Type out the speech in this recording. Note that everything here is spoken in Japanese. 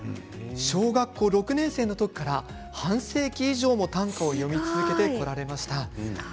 小学校６年生の時から半世紀以上短歌を詠み続けてこられました。